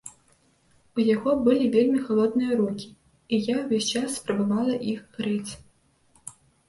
У яго былі вельмі халодныя рукі і я ўвесь час спрабавала іх грэць.